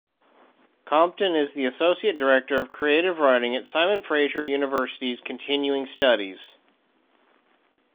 Compton is the associate director of Creative Writing at Simon Fraser University's Continuing Studies.